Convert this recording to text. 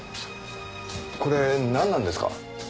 これなんなんですか？